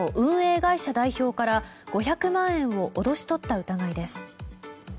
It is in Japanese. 会社代表から５００万円を脅し取った疑いです。